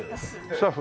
スタッフ。